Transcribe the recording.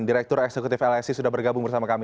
direktur eksekutif lsi sudah bergabung bersama kami